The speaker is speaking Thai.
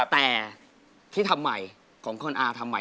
แต่ที่ทำใหม่ของคุณอาทำใหม่